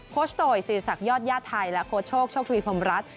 โค้ชโดยสื่อสักยอดย่าไทยและโค้ชโชคโชคธรีพรรมรัฐ